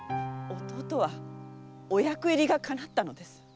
弟はお役入りがかなったのです。